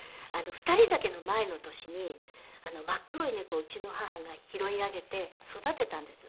『ふたり酒』の前の年に真っ黒い猫をうちの母が拾い上げて育てたんです。